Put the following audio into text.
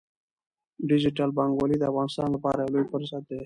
ډیجیټل بانکوالي د افغانستان لپاره یو لوی فرصت دی۔